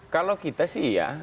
kalau kita sih ya